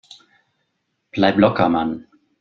Bleib locker, Mann!